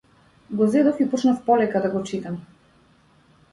Го зедов и почнав полека да го читам.